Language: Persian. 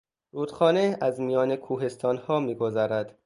رودخانه از میان کوهستانها میگذرد.